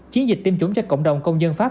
chiến dịch tiêm chủng cho cộng đồng công dân pháp